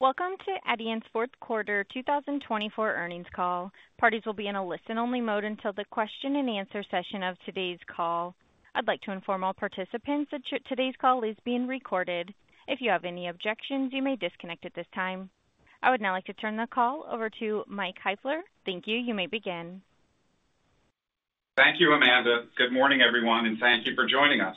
Welcome to Adient's Fourth Quarter 2024 Earnings Call. Parties will be in a listen-only mode until the question-and-answer session of today's call. I'd like to inform all participants that today's call is being recorded. If you have any objections, you may disconnect at this time. I would now like to turn the call over to Mike Heifler. Thank you. You may begin. Thank you, Amanda. Good morning, everyone, and thank you for joining us.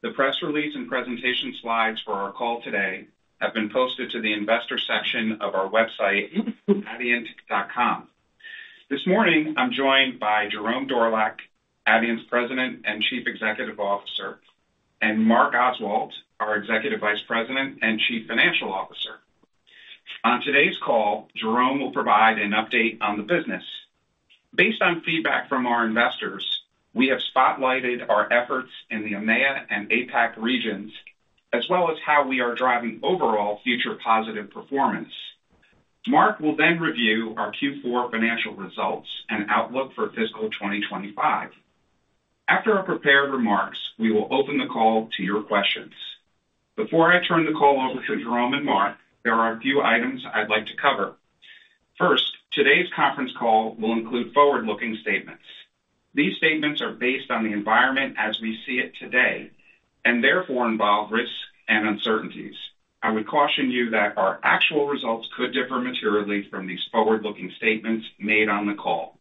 The press release and presentation slides for our call today have been posted to the investor section of our website, adient.com. This morning, I'm joined by Jerome Dorlack, Adient's President and Chief Executive Officer, and Mark Oswald, our Executive Vice President and Chief Financial Officer. On today's call, Jerome will provide an update on the business. Based on feedback from our investors, we have spotlighted our efforts in the EMEA and APAC regions, as well as how we are driving overall future positive performance. Mark will then review our Q4 financial results and outlook for fiscal 2025. After our prepared remarks, we will open the call to your questions. Before I turn the call over to Jerome and Mark, there are a few items I'd like to cover. First, today's conference call will include forward-looking statements. These statements are based on the environment as we see it today and therefore involve risks and uncertainties. I would caution you that our actual results could differ materially from these forward-looking statements made on the call.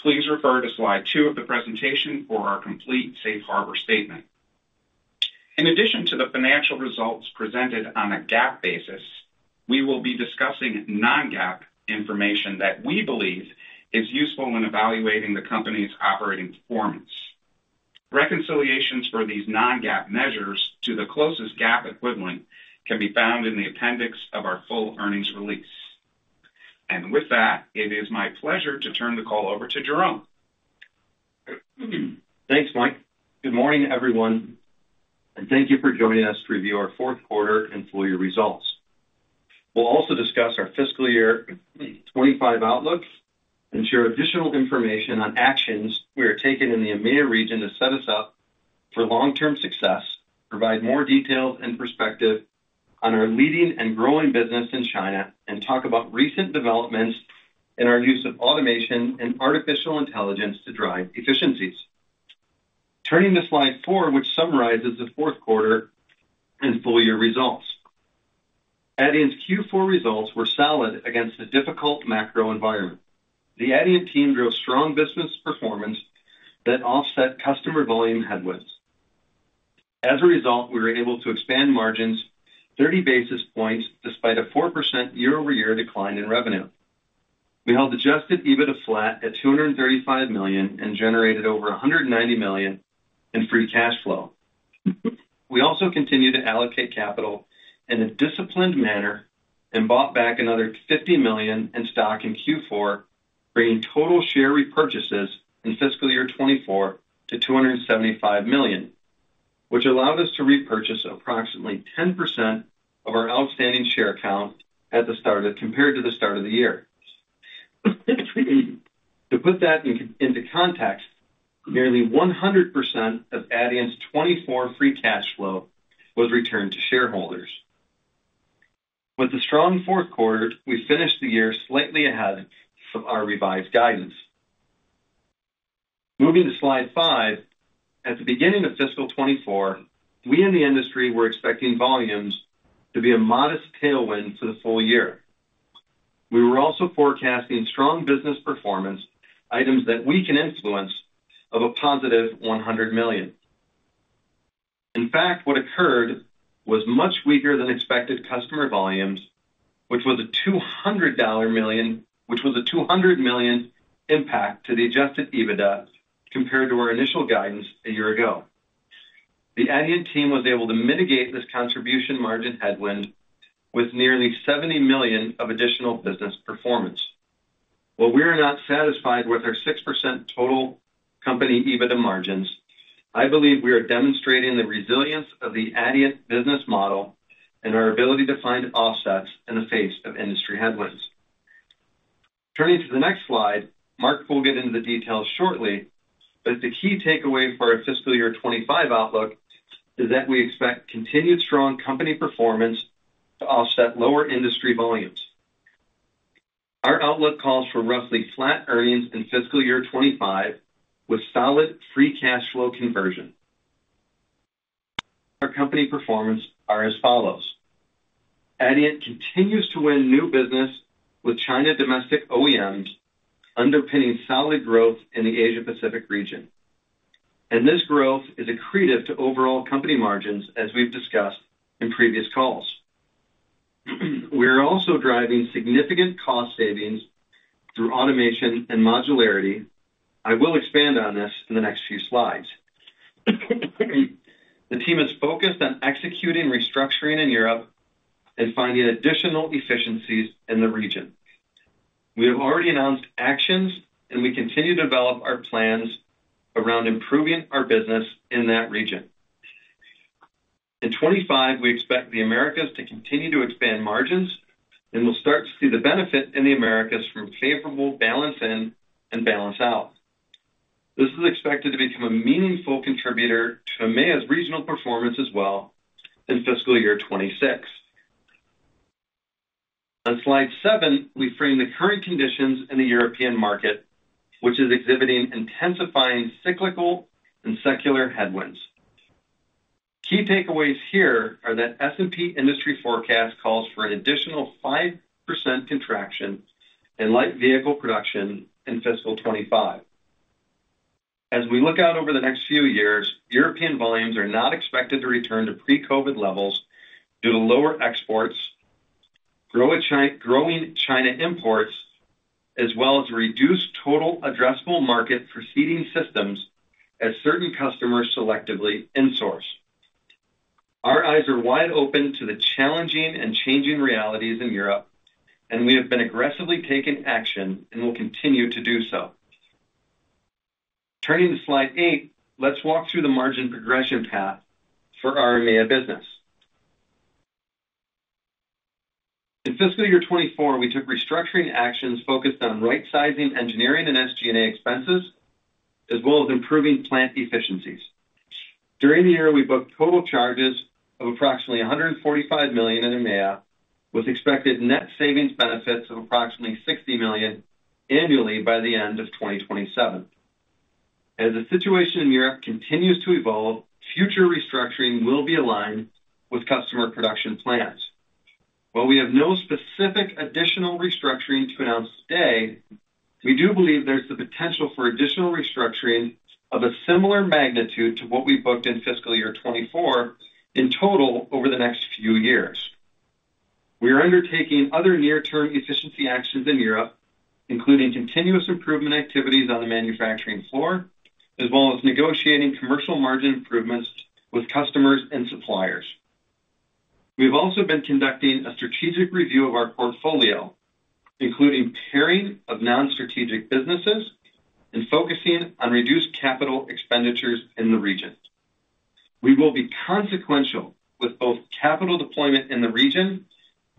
Please refer to slide two of the presentation for our complete safe harbor statement. In addition to the financial results presented on a GAAP basis, we will be discussing non-GAAP information that we believe is useful in evaluating the company's operating performance. Reconciliations for these non-GAAP measures to the closest GAAP equivalent can be found in the appendix of our full earnings release, and with that, it is my pleasure to turn the call over to Jerome. Thanks, Mike. Good morning, everyone, and thank you for joining us to review our fourth quarter financial results. We'll also discuss our fiscal year 2025 outlook and share additional information on actions we are taking in the EMEA region to set us up for long-term success, provide more details and perspective on our leading and growing business in China, and talk about recent developments in our use of automation and artificial intelligence to drive efficiencies. Turning to slide four, which summarizes the fourth quarter and full year results, Adient's Q4 results were solid against a difficult macro environment. The Adient team drove strong business performance that offset customer volume headwinds. As a result, we were able to expand margins 30 basis points despite a 4% year-over-year decline in revenue. We held adjusted EBITDA flat at $235 million and generated over $190 million in free cash flow. We also continued to allocate capital in a disciplined manner and bought back another $50 million in stock in Q4, bringing total share repurchases in fiscal year 2024 to $275 million, which allowed us to repurchase approximately 10% of our outstanding share count at the start of the year compared to the start of the year. To put that into context, nearly 100% of Adient's 2024 free cash flow was returned to shareholders. With a strong fourth quarter, we finished the year slightly ahead of our revised guidance. Moving to slide five, at the beginning of fiscal 2024, we in the industry were expecting volumes to be a modest tailwind for the full year. We were also forecasting strong business performance, items that we can influence, of a positive $100 million. In fact, what occurred was much weaker than expected customer volumes, which was a $200 million impact to the adjusted EBITDA compared to our initial guidance a year ago. The Adient team was able to mitigate this contribution margin headwind with nearly $70 million of additional business performance. While we are not satisfied with our 6% total company EBITDA margins, I believe we are demonstrating the resilience of the Adient business model and our ability to find offsets in the face of industry headwinds. Turning to the next slide, Mark will get into the details shortly, but the key takeaway for our fiscal year 2025 outlook is that we expect continued strong company performance to offset lower industry volumes. Our outlook calls for roughly flat earnings in fiscal year 2025 with solid free cash flow conversion. Our company performance is as follows: Adient continues to win new business with China domestic OEMs underpinning solid growth in the Asia-Pacific region. And this growth is accretive to overall company margins, as we've discussed in previous calls. We are also driving significant cost savings through automation and modularity. I will expand on this in the next few slides. The team is focused on executing restructuring in Europe and finding additional efficiencies in the region. We have already announced actions, and we continue to develop our plans around improving our business in that region. In 2025, we expect the Americas to continue to expand margins, and we'll start to see the benefit in the Americas from favorable balance in and balance out. This is expected to become a meaningful contributor to EMEA's regional performance as well in fiscal year 2026. On slide seven, we frame the current conditions in the European market, which is exhibiting intensifying cyclical and secular headwinds. Key takeaways here are that S&P industry forecast calls for an additional 5% contraction in light vehicle production in fiscal 2025. As we look out over the next few years, European volumes are not expected to return to pre-COVID levels due to lower exports, growing China imports, as well as reduced total addressable market for seating systems as certain customers selectively insource. Our eyes are wide open to the challenging and changing realities in Europe, and we have been aggressively taking action and will continue to do so. Turning to slide eight, let's walk through the margin progression path for our EMEA business. In fiscal year 2024, we took restructuring actions focused on right-sizing engineering and SG&A expenses, as well as improving plant efficiencies. During the year, we booked total charges of approximately $145 million in EMEA, with expected net savings benefits of approximately $60 million annually by the end of 2027. As the situation in Europe continues to evolve, future restructuring will be aligned with customer production plans. While we have no specific additional restructuring to announce today, we do believe there's the potential for additional restructuring of a similar magnitude to what we booked in fiscal year 2024 in total over the next few years. We are undertaking other near-term efficiency actions in Europe, including continuous improvement activities on the manufacturing floor, as well as negotiating commercial margin improvements with customers and suppliers. We have also been conducting a strategic review of our portfolio, including paring of non-strategic businesses and focusing on reduced capital expenditures in the region. We will be consequential with both capital deployment in the region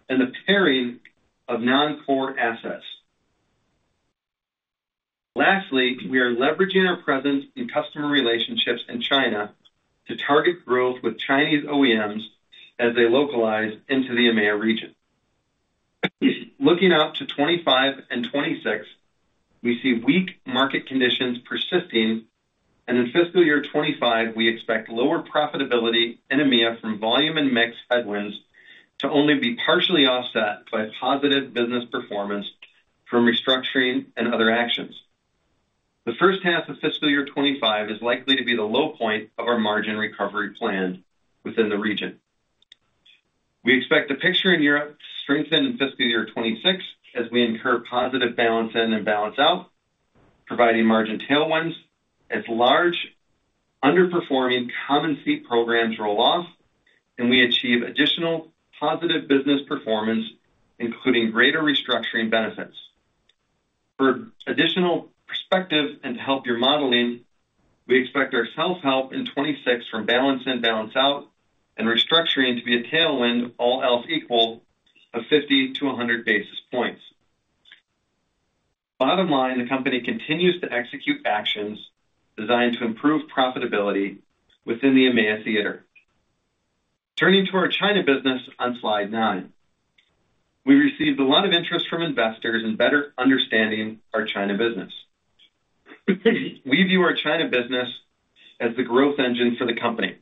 and the paring of non-core assets. Lastly, we are leveraging our presence in customer relationships in China to target growth with Chinese OEMs as they localize into the EMEA region. Looking out to 2025 and 2026, we see weak market conditions persisting, and in fiscal year 2025, we expect lower profitability in EMEA from volume and mix headwinds to only be partially offset by positive business performance from restructuring and other actions. The first half of fiscal year 2025 is likely to be the low point of our margin recovery plan within the region. We expect the picture in Europe to strengthen in fiscal year 2026 as we incur positive balance in and balance out, providing margin tailwinds as large underperforming common seat programs roll off, and we achieve additional positive business performance, including greater restructuring benefits. For additional perspective and to help your modeling, we expect our self-help in 2026 from balance in, balance out, and restructuring to be a tailwind, all else equal, of 50-100 basis points. Bottom line, the company continues to execute actions designed to improve profitability within the EMEA theater. Turning to our China business on slide nine, we received a lot of interest from investors in better understanding our China business. We view our China business as the growth engine for the company.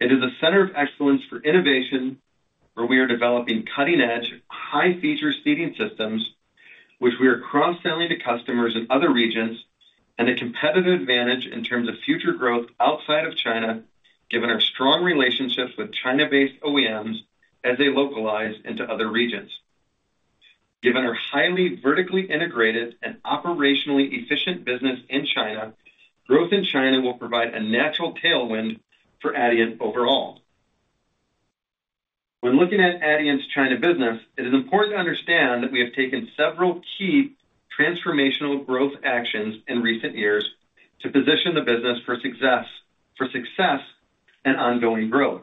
It is a center of excellence for innovation where we are developing cutting-edge, high-feature seating systems, which we are cross-selling to customers in other regions, and a competitive advantage in terms of future growth outside of China, given our strong relationships with China-based OEMs as they localize into other regions. Given our highly vertically integrated and operationally efficient business in China, growth in China will provide a natural tailwind for Adient overall. When looking at Adient's China business, it is important to understand that we have taken several key transformational growth actions in recent years to position the business for success and ongoing growth.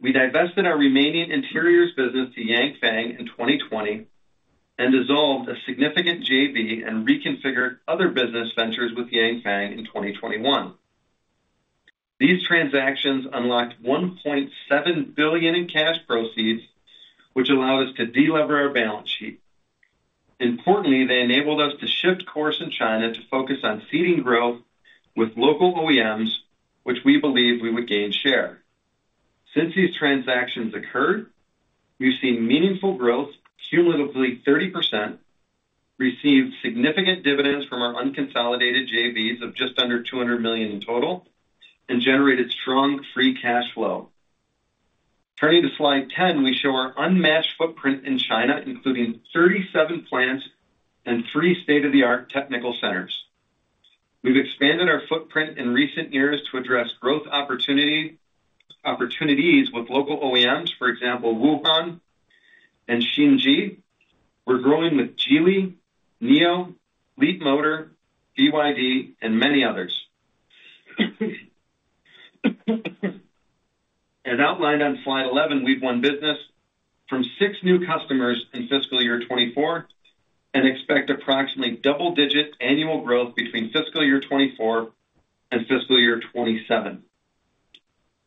We divested our remaining interiors business to Yanfeng in 2020 and dissolved a significant JV and reconfigured other business ventures with Yanfeng in 2021. These transactions unlocked $1.7 billion in cash proceeds, which allowed us to delever our balance sheet. Importantly, they enabled us to shift course in China to focus on seating growth with local OEMs, which we believe we would gain share. Since these transactions occurred, we've seen meaningful growth, cumulatively 30%, received significant dividends from our unconsolidated JVs of just under $200 million in total, and generated strong free cash flow. Turning to slide 10, we show our unmatched footprint in China, including 37 plants and three state-of-the-art technical centers. We've expanded our footprint in recent years to address growth opportunities with local OEMs, for example, Wuhan and Xinji. We're growing with Geely, Nio, Leapmotor, BYD, and many others. As outlined on slide 11, we've won business from six new customers in fiscal year 2024 and expect approximately double-digit annual growth between fiscal year 2024 and fiscal year 2027.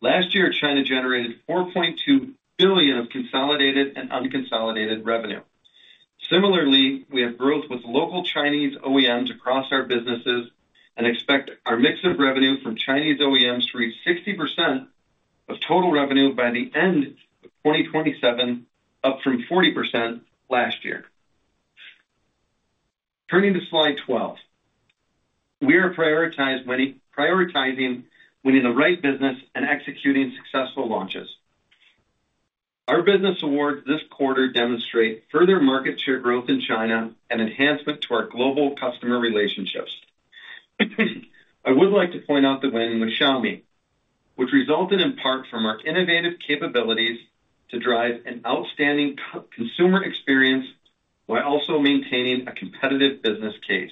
Last year, China generated $4.2 billion of consolidated and unconsolidated revenue. Similarly, we have growth with local Chinese OEMs across our businesses and expect our mix of revenue from Chinese OEMs to reach 60% of total revenue by the end of 2027, up from 40% last year. Turning to slide 12, we are prioritizing winning the right business and executing successful launches. Our business awards this quarter demonstrate further market share growth in China and enhancement to our global customer relationships. I would like to point out the win with Xiaomi, which resulted in part from our innovative capabilities to drive an outstanding consumer experience while also maintaining a competitive business case.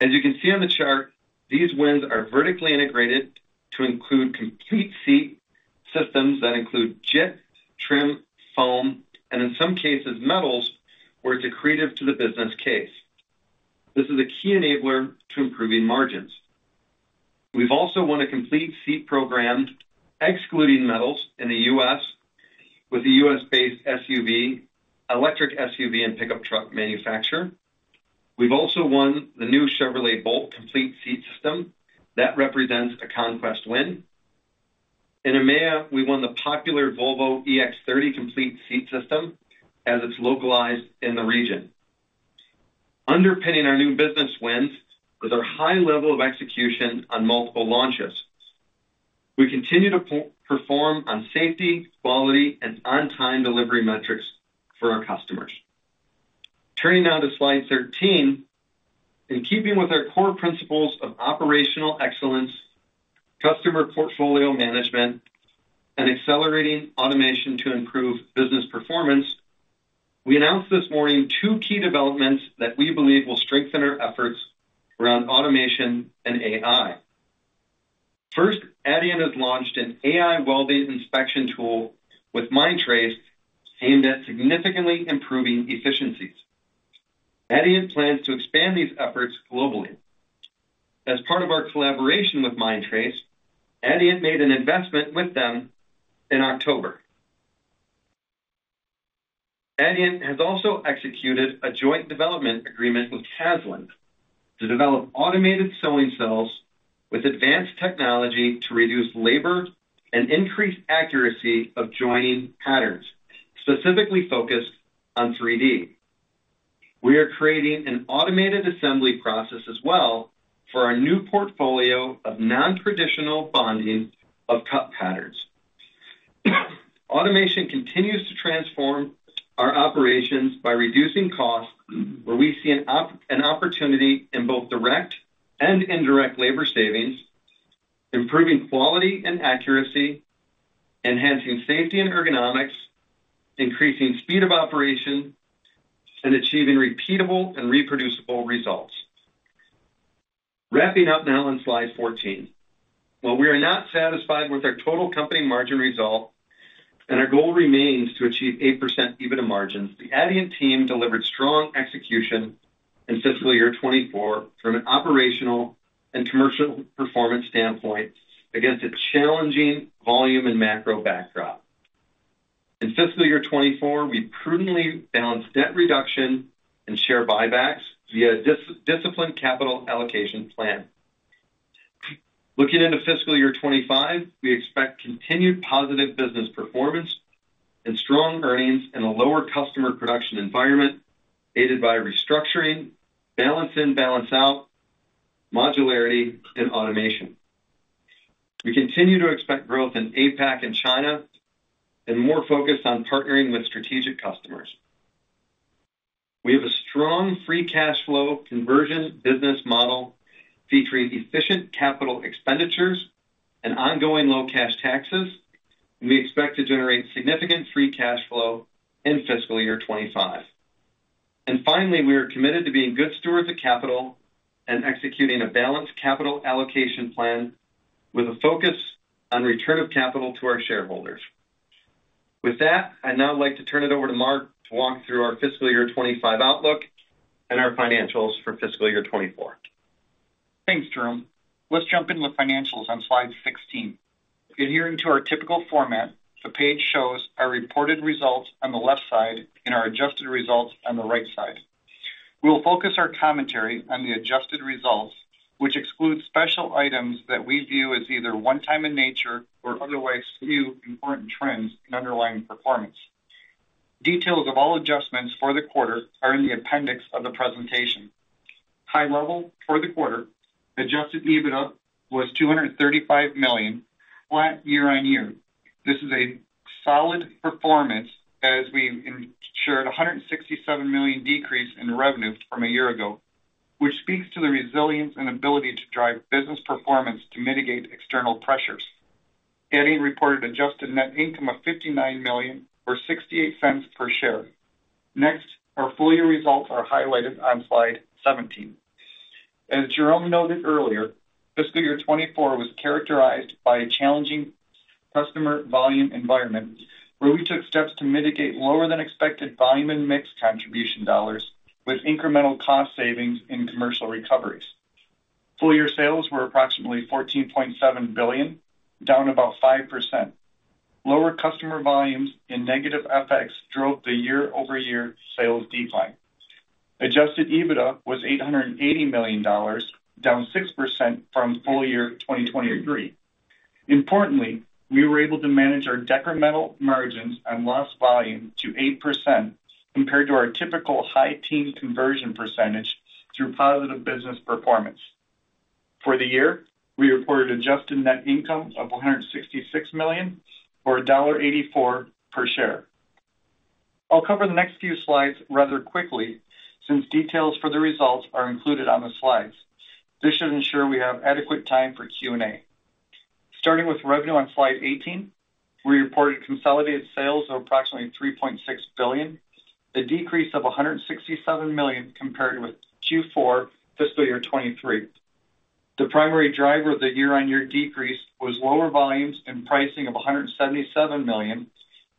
As you can see on the chart, these wins are vertically integrated to include complete seat systems that include JIT, trim, foam, and in some cases, metals, where it's accretive to the business case. This is a key enabler to improving margins. We've also won a complete seat program excluding metals in the U.S. with a U.S.-based SUV, electric SUV, and pickup truck manufacturer. We've also won the new Chevrolet Bolt complete seat system that represents a conquest win. In EMEA, we won the popular Volvo EX30 complete seat system as it's localized in the region. Underpinning our new business wins is our high level of execution on multiple launches. We continue to perform on safety, quality, and on-time delivery metrics for our customers. Turning now to slide 13, in keeping with our core principles of operational excellence, customer portfolio management, and accelerating automation to improve business performance, we announced this morning two key developments that we believe will strengthen our efforts around automation and AI. First, Adient has launched an AI welding inspection tool with Mindtrace aimed at significantly improving efficiencies. Adient plans to expand these efforts globally. As part of our collaboration with Mindtrace, Adient made an investment with them in October. Adient has also executed a joint development agreement with Haslam to develop automated sewing cells with advanced technology to reduce labor and increase accuracy of joining patterns, specifically focused on 3D. We are creating an automated assembly process as well for our new portfolio of non-traditional bonding of cut patterns. Automation continues to transform our operations by reducing costs, where we see an opportunity in both direct and indirect labor savings, improving quality and accuracy, enhancing safety and ergonomics, increasing speed of operation, and achieving repeatable and reproducible results. Wrapping up now on slide 14, while we are not satisfied with our total company margin result and our goal remains to achieve 8% EBITDA margins, the Adient team delivered strong execution in fiscal year 2024 from an operational and commercial performance standpoint against a challenging volume and macro backdrop. In fiscal year 2024, we prudently balanced debt reduction and share buybacks via a disciplined capital allocation plan. Looking into fiscal year 2025, we expect continued positive business performance and strong earnings in a lower customer production environment aided by restructuring, balance in, balance out, modularity, and automation. We continue to expect growth in APAC and China and more focus on partnering with strategic customers. We have a strong free cash flow conversion business model featuring efficient capital expenditures and ongoing low cash taxes, and we expect to generate significant free cash flow in fiscal year 2025. And finally, we are committed to being good stewards of capital and executing a balanced capital allocation plan with a focus on return of capital to our shareholders. With that, I'd now like to turn it over to Mark to walk through our fiscal year 2025 outlook and our financials for fiscal year 2024. Thanks, Jerome. Let's jump into the financials on slide 16. Adhering to our typical format, the page shows our reported results on the left side and our adjusted results on the right side. We'll focus our commentary on the adjusted results, which excludes special items that we view as either one-time in nature or otherwise few important trends in underlying performance. Details of all adjustments for the quarter are in the appendix of the presentation. High level for the quarter, adjusted EBITDA was $235 million, flat year-on-year. This is a solid performance as we've shared a $167 million decrease in revenue from a year ago, which speaks to the resilience and ability to drive business performance to mitigate external pressures. Adient reported adjusted net income of $59 million or $0.68 per share. Next, our full year results are highlighted on slide 17. As Jerome noted earlier, fiscal year 2024 was characterized by a challenging customer volume environment where we took steps to mitigate lower-than-expected volume and mix contribution dollars with incremental cost savings in commercial recoveries. Full year sales were approximately $14.7 billion, down about 5%. Lower customer volumes in negative effects drove the year-over-year sales decline. Adjusted EBITDA was $880 million, down 6% from full year 2023. Importantly, we were able to manage our decremental margins on lost volume to 8% compared to our typical high-teens conversion percentage through positive business performance. For the year, we reported adjusted net income of $166 million or $1.84 per share. I'll cover the next few slides rather quickly since details for the results are included on the slides. This should ensure we have adequate time for Q&A. Starting with revenue on slide 18, we reported consolidated sales of approximately $3.6 billion, a decrease of $167 million compared with Q4 fiscal year 2023. The primary driver of the year-on-year decrease was lower volumes and pricing of $177 million,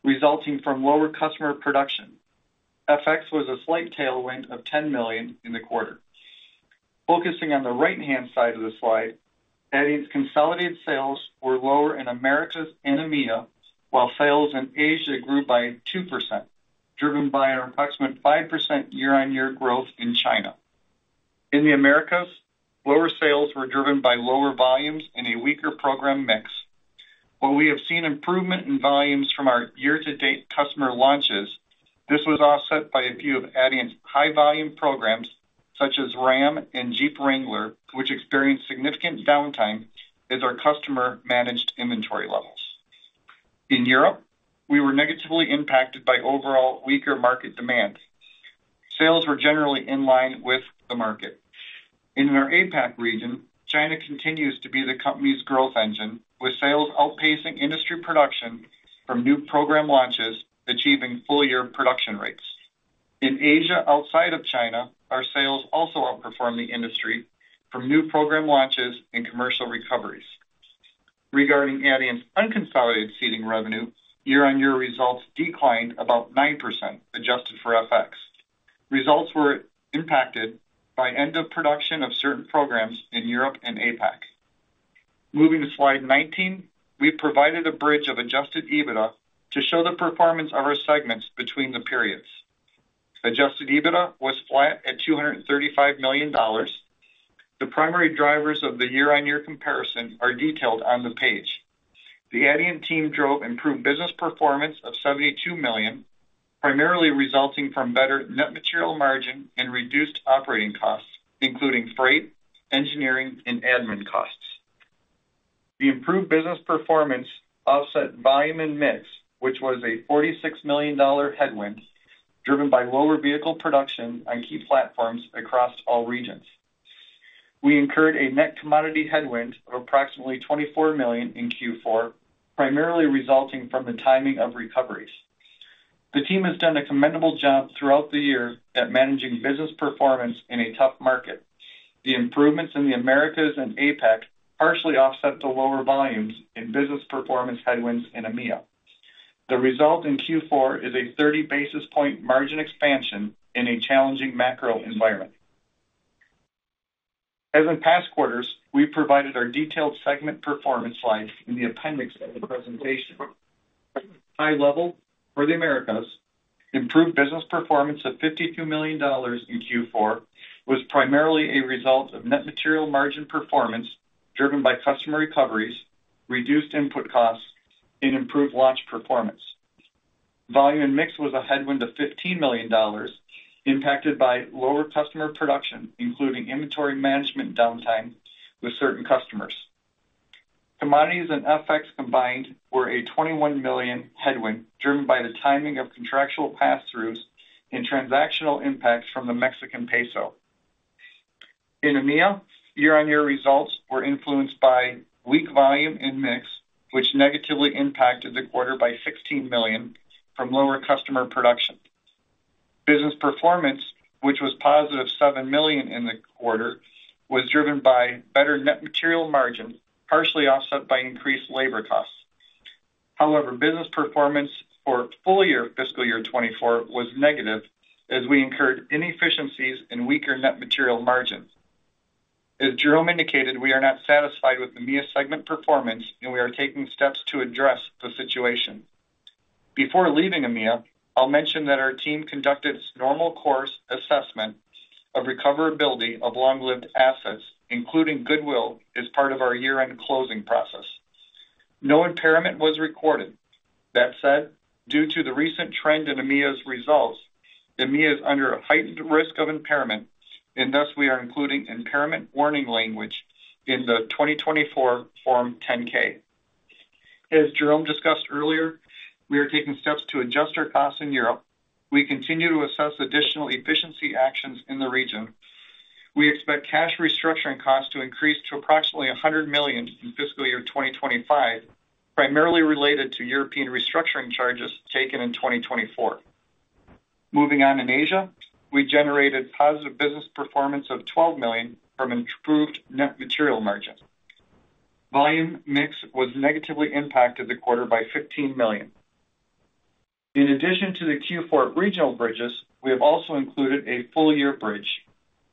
resulting from lower customer production. FX was a slight tailwind of $10 million in the quarter. Focusing on the right-hand side of the slide, Adient's consolidated sales were lower in Americas and EMEA, while sales in Asia grew by 2%, driven by an approximate 5% year-on-year growth in China. In the Americas, lower sales were driven by lower volumes and a weaker program mix. While we have seen improvement in volumes from our year-to-date customer launches, this was offset by a few of Adient's high-volume programs, such as Ram and Jeep Wrangler, which experienced significant downtime as our customer managed inventory levels. In Europe, we were negatively impacted by overall weaker market demand. Sales were generally in line with the market. In our APAC region, China continues to be the company's growth engine, with sales outpacing industry production from new program launches, achieving full year production rates. In Asia outside of China, our sales also outperform the industry from new program launches and commercial recoveries. Regarding Adient's unconsolidated seating revenue, year-on-year results declined about 9%, adjusted for FX. Results were impacted by end-of-production of certain programs in Europe and APAC. Moving to slide 19, we provided a bridge of adjusted EBITDA to show the performance of our segments between the periods. Adjusted EBITDA was flat at $235 million. The primary drivers of the year-on-year comparison are detailed on the page. The Adient team drove improved business performance of $72 million, primarily resulting from better net material margin and reduced operating costs, including freight, engineering, and admin costs. The improved business performance offset volume and mix, which was a $46 million headwind driven by lower vehicle production on key platforms across all regions. We incurred a net commodity headwind of approximately $24 million in Q4, primarily resulting from the timing of recoveries. The team has done a commendable job throughout the year at managing business performance in a tough market. The improvements in the Americas and APAC partially offset the lower volumes in business performance headwinds in EMEA. The result in Q4 is a 30 basis points margin expansion in a challenging macro environment. As in past quarters, we provided our detailed segment performance slides in the appendix of the presentation. High level for the Americas, improved business performance of $52 million in Q4 was primarily a result of net material margin performance driven by customer recoveries, reduced input costs, and improved launch performance. Volume and mix was a headwind of $15 million, impacted by lower customer production, including inventory management downtime with certain customers. Commodities and FX combined were a $21 million headwind driven by the timing of contractual pass-throughs and transactional impacts from the Mexican peso. In EMEA, year-on-year results were influenced by weak volume and mix, which negatively impacted the quarter by $16 million from lower customer production. Business performance, which was positive $7 million in the quarter, was driven by better net material margin, partially offset by increased labor costs. However, business performance for full year fiscal year 2024 was negative as we incurred inefficiencies and weaker net material margins. As Jerome indicated, we are not satisfied with EMEA segment performance, and we are taking steps to address the situation. Before leaving EMEA, I'll mention that our team conducted a normal course assessment of recoverability of long-lived assets, including Goodwill, as part of our year-end closing process. No impairment was recorded. That said, due to the recent trend in EMEA's results, EMEA is under a heightened risk of impairment, and thus we are including impairment warning language in the 2024 Form 10-K. As Jerome discussed earlier, we are taking steps to adjust our costs in Europe. We continue to assess additional efficiency actions in the region. We expect cash restructuring costs to increase to approximately $100 million in fiscal year 2025, primarily related to European restructuring charges taken in 2024. Moving on in Asia, we generated positive business performance of $12 million from improved net material margin. Volume mix was negatively impacted in the quarter by $15 million. In addition to the Q4 regional bridges, we have also included a full year bridge.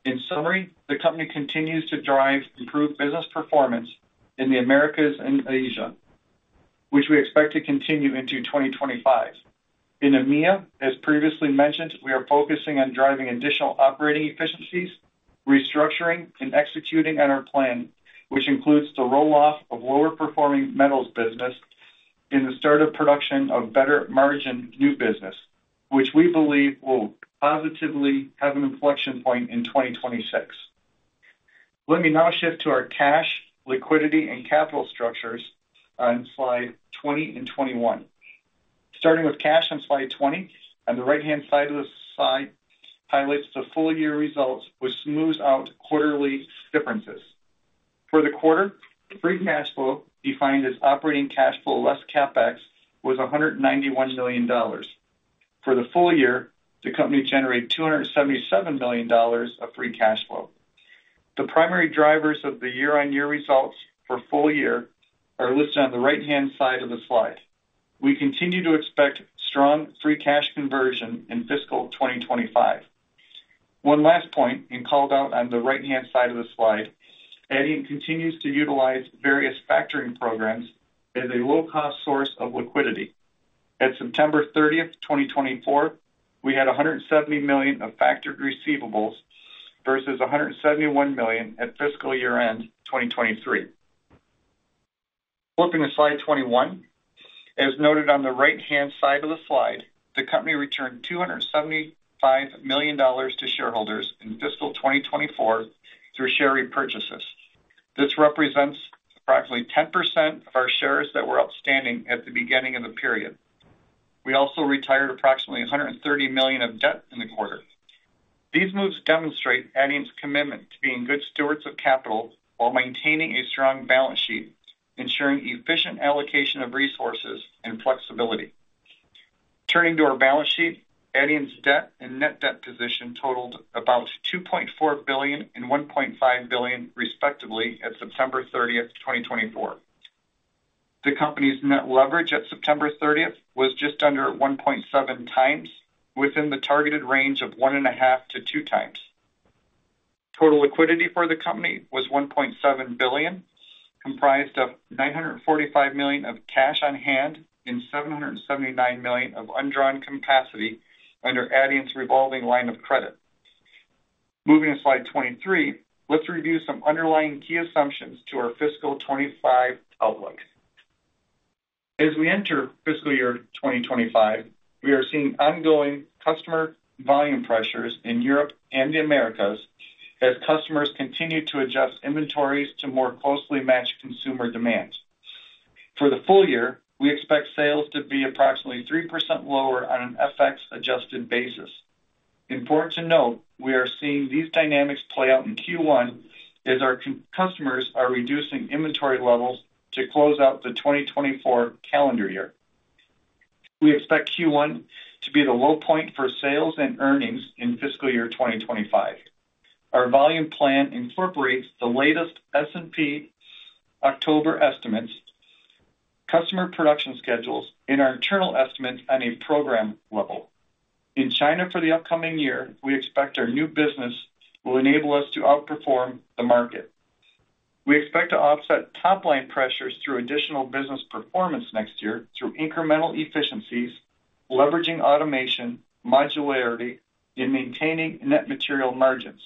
In summary, the company continues to drive improved business performance in the Americas and Asia, which we expect to continue into 2025. In EMEA, as previously mentioned, we are focusing on driving additional operating efficiencies, restructuring, and executing on our plan, which includes the roll-off of lower-performing metals business and the start of production of better margin new business, which we believe will positively have an inflection point in 2025. Let me now shift to our cash, liquidity, and capital structures on slide 20 and 21. Starting with cash on slide 20, on the right-hand side of the slide highlights the full year results with smoothed-out quarterly differences. For the quarter, free cash flow, defined as operating cash flow less CapEx, was $191 million. For the full year, the company generated $277 million of free cash flow. The primary drivers of the year-on-year results for full year are listed on the right-hand side of the slide. We continue to expect strong free cash conversion in fiscal 2025. One last point and called out on the right-hand side of the slide, Adient continues to utilize various factoring programs as a low-cost source of liquidity. At September 30, 2024, we had $170 million of factored receivables versus $171 million at fiscal year-end 2023. Flipping to slide 21, as noted on the right-hand side of the slide, the company returned $275 million to shareholders in fiscal 2024 through share repurchases. This represents approximately 10% of our shares that were outstanding at the beginning of the period. We also retired approximately $130 million of debt in the quarter. These moves demonstrate Adient's commitment to being good stewards of capital while maintaining a strong balance sheet, ensuring efficient allocation of resources and flexibility. Turning to our balance sheet, Adient's debt and net debt position totaled about $2.4 billion and $1.5 billion, respectively, at September 30, 2024. The company's net leverage at September 30 was just under 1.7x, within the targeted range of 1.5x to 2x. Total liquidity for the company was $1.7 billion, comprised of $945 million of cash on hand and $779 million of undrawn capacity under Adient's revolving line of credit. Moving to slide 23, let's review some underlying key assumptions to our fiscal 2025 outlook. As we enter fiscal year 2025, we are seeing ongoing customer volume pressures in Europe and the Americas as customers continue to adjust inventories to more closely match consumer demand. For the full year, we expect sales to be approximately 3% lower on an FX-adjusted basis. Important to note, we are seeing these dynamics play out in Q1 as our customers are reducing inventory levels to close out the 2024 calendar year. We expect Q1 to be the low point for sales and earnings in fiscal year 2025. Our volume plan incorporates the latest S&P October estimates, customer production schedules, and our internal estimates on a program level. In China for the upcoming year, we expect our new business will enable us to outperform the market. We expect to offset top-line pressures through additional business performance next year through incremental efficiencies, leveraging automation, modularity, and maintaining net material margins.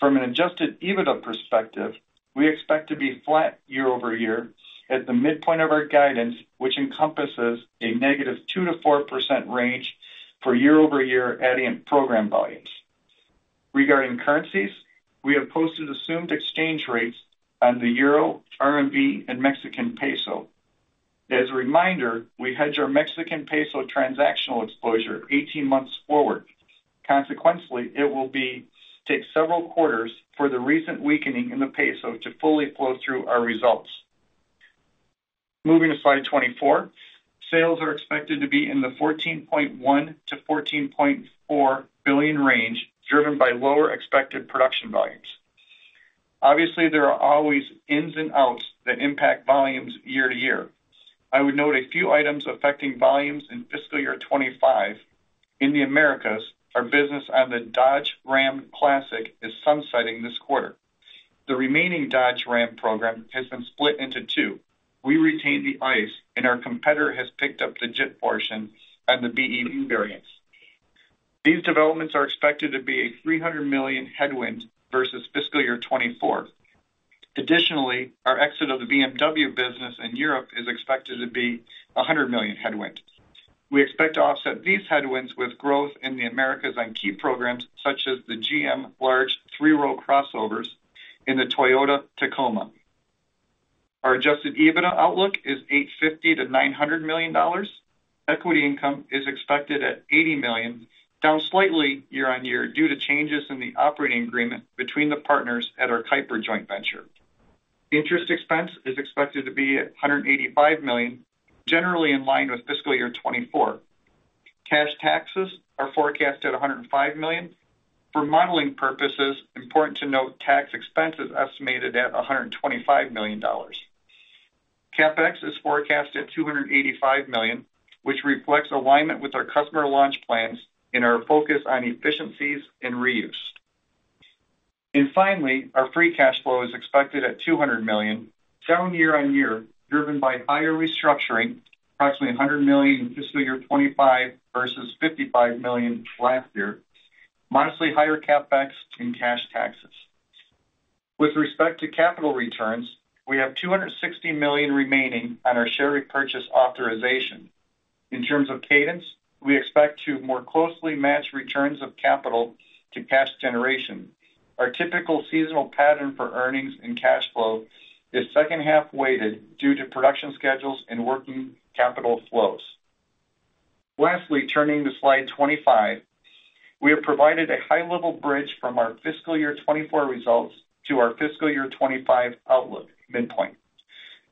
From an adjusted EBITDA perspective, we expect to be flat year-over-year at the midpoint of our guidance, which encompasses a negative 2% to 4% range for year-over-year Adient program volumes. Regarding currencies, we have posted assumed exchange rates on the euro, RMB, and Mexican peso. As a reminder, we hedge our Mexican peso transactional exposure 18 months forward. Consequently, it will take several quarters for the recent weakening in the peso to fully flow through our results. Moving to slide 24, sales are expected to be in the $14.1-$14.4 billion range, driven by lower expected production volumes. Obviously, there are always ins and outs that impact volumes year to year. I would note a few items affecting volumes in fiscal year 2025. In the Americas, our business on the Dodge Ram Classic is sunsetting this quarter. The remaining Dodge Ram program has been split into two. We retained the ICE, and our competitor has picked up the JIT portion on the BEV variants. These developments are expected to be a $300 million headwind versus fiscal year 2024. Additionally, our exit of the BMW business in Europe is expected to be $100 million headwind. We expect to offset these headwinds with growth in the Americas on key programs such as the GM large three-row crossovers and the Toyota Tacoma. Our adjusted EBITDA outlook is $850-$900 million. Equity income is expected at $80 million, down slightly year-on-year due to changes in the operating agreement between the partners at our Keiper joint venture. Interest expense is expected to be at $185 million, generally in line with fiscal year 2024. Cash taxes are forecast at $105 million. For modeling purposes, important to note tax expenses estimated at $125 million. CapEx is forecast at $285 million, which reflects alignment with our customer launch plans and our focus on efficiencies and reuse. Finally, our free cash flow is expected at $200 million, down year-on-year, driven by higher restructuring, approximately $100 million in fiscal year 2025 versus $55 million last year, modestly higher CapEx and cash taxes. With respect to capital returns, we have $260 million remaining on our share repurchase authorization. In terms of cadence, we expect to more closely match returns of capital to cash generation. Our typical seasonal pattern for earnings and cash flow is second-half weighted due to production schedules and working capital flows. Lastly, turning to slide 25, we have provided a high-level bridge from our fiscal year 2024 results to our fiscal year 2025 outlook midpoint.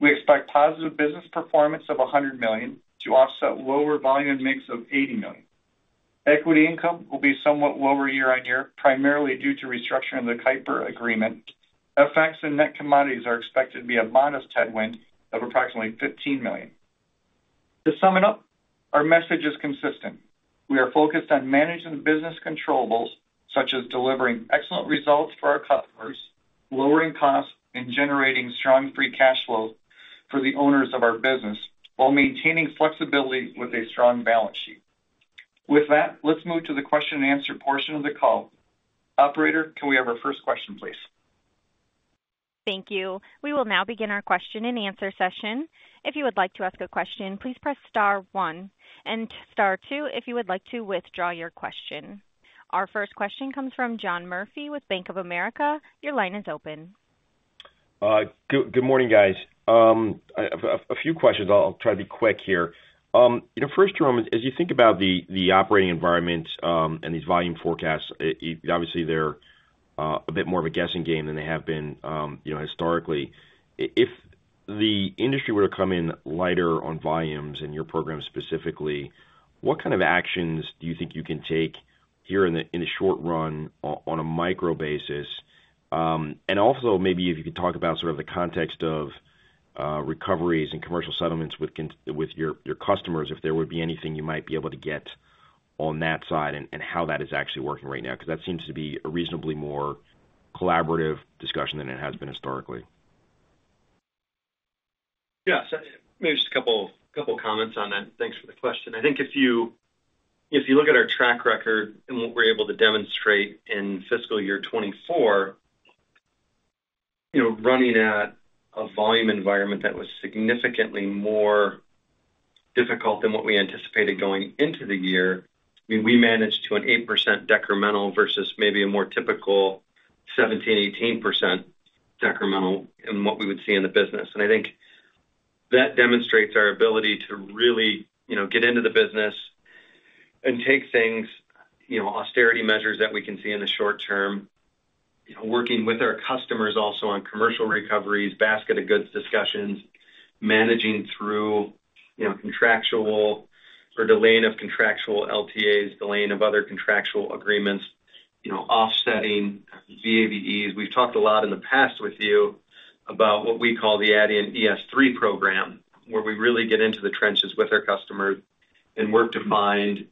We expect positive business performance of $100 million to offset lower volume and mix of $80 million. Equity income will be somewhat lower year-on-year, primarily due to restructuring of the Keiper Agreement. FX and net commodities are expected to be a modest headwind of approximately $15 million. To sum it up, our message is consistent. We are focused on managing the business controllables such as delivering excellent results for our customers, lowering costs, and generating strong free cash flow for the owners of our business while maintaining flexibility with a strong balance sheet. With that, let's move to the question-and-answer portion of the call. Operator, can we have our first question, please? Thank you. We will now begin our question-and-answer session. If you would like to ask a question, please press star one and star two if you would like to withdraw your question. Our first question comes from John Murphy with Bank of America. Your line is open. Good morning, guys. A few questions. I'll try to be quick here. First, Jerome, as you think about the operating environment and these volume forecasts, obviously, they're a bit more of a guessing game than they have been historically. If the industry were to come in lighter on volumes and your program specifically, what kind of actions do you think you can take here in the short run on a micro basis? And also, maybe if you could talk about sort of the context of recoveries and commercial settlements with your customers, if there would be anything you might be able to get on that side and how that is actually working right now, because that seems to be a reasonably more collaborative discussion than it has been historically. Yeah. So maybe just a couple of comments on that, and thanks for the question. I think if you look at our track record and what we're able to demonstrate in fiscal year 2024, running at a volume environment that was significantly more difficult than what we anticipated going into the year, we managed to an 8% decremental versus maybe a more typical 17%-18% decremental in what we would see in the business. And I think that demonstrates our ability to really get into the business and take things, austerity measures that we can see in the short term, working with our customers also on commercial recoveries, basket of goods discussions, managing through contractual or delaying of contractual LTAs, delaying of other contractual agreements, offsetting VAVEs. We've talked a lot in the past with you about what we call the Adient ES3 program, where we really get into the trenches with our customers and work to find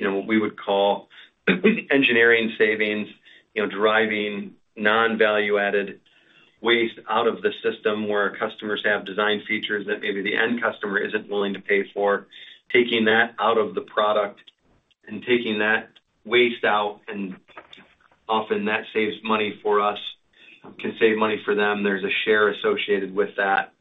what we would call engineering savings, driving non-value-added waste out of the system where customers have design features that maybe the end customer isn't willing to pay for, taking that out of the product and taking that waste out. And often, that saves money for us, can save money for them. There's a share associated with that.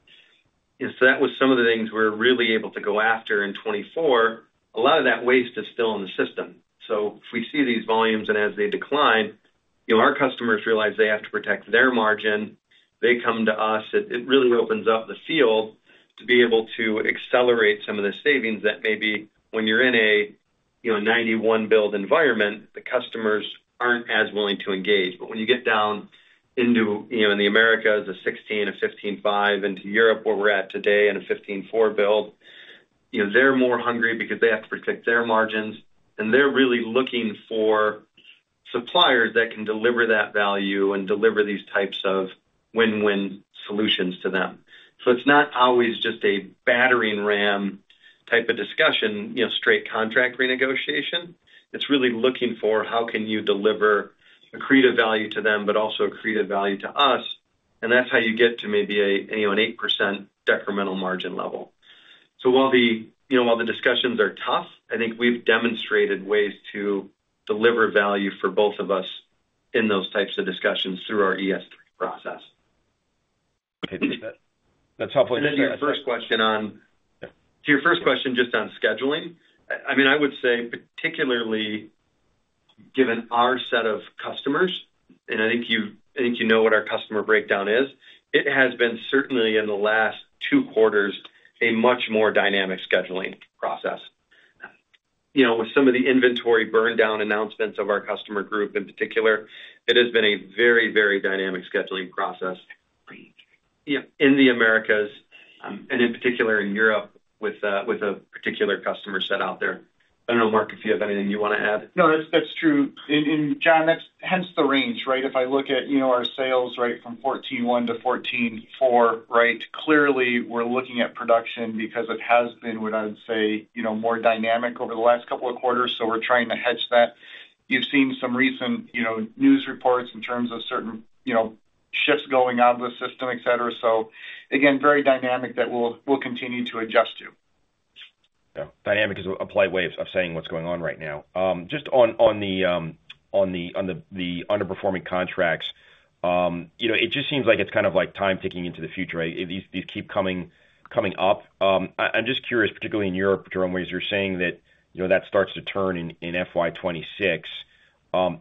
So that was some of the things we're really able to go after in 2024. A lot of that waste is still in the system. So if we see these volumes and as they decline, our customers realize they have to protect their margin. They come to us. It really opens up the field to be able to accelerate some of the savings that maybe when you're in a 1991 build environment, the customers aren't as willing to engage. But when you get down into the Americas of 2016 and 2015, 2005, into Europe where we're at today in a 2015, 2004 build, they're more hungry because they have to protect their margins. And they're really looking for suppliers that can deliver that value and deliver these types of win-win solutions to them. So it's not always just a battering ram type of discussion, straight contract renegotiation. It's really looking for how can you deliver accretive value to them, but also accretive value to us. And that's how you get to maybe an 8% decremental margin level. So while the discussions are tough, I think we've demonstrated ways to deliver value for both of us in those types of discussions through our ES3 process. That's helpful. And to your first question just on scheduling, I mean, I would say, particularly given our set of customers, and I think you know what our customer breakdown is, it has been certainly in the last two quarters a much more dynamic scheduling process. With some of the inventory burn down announcements of our customer group in particular, it has been a very, very dynamic scheduling process in the Americas and in particular in Europe with a particular customer set out there. I don't know, Mark, if you have anything you want to add. No, that's true. And John, that's hence the range, right? If I look at our sales right from 2014 Q1 to 2014 Q4, right, clearly we're looking at production because it has been, would I say, more dynamic over the last couple of quarters. So we're trying to hedge that. You've seen some recent news reports in terms of certain shifts going out of the system, etc. So, again, very dynamic that we'll continue to adjust to. Yeah. Dynamic is a polite way of saying what's going on right now. Just on the underperforming contracts, it just seems like it's kind of like time ticking into the future. These keep coming up. I'm just curious, particularly in Europe, Jerome, as you're saying that that starts to turn in FY26,